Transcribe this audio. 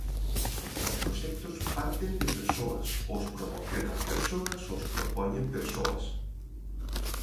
Os proxectos parten de persoas, os promocionan persoas, os propoñen persoas.